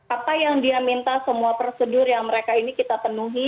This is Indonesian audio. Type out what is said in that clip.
apa yang dia minta semua prosedur yang mereka ini kita penuhi